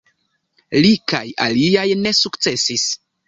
Li kaj aliaj ne sukcesis.